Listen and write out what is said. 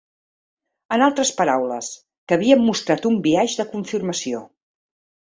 En altres paraules, que havien mostrat un biaix de confirmació.